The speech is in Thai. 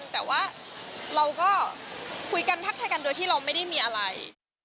แต่ว่าเราก็คุยกันทักทายกันโดยที่เราไม่ได้มีอะไร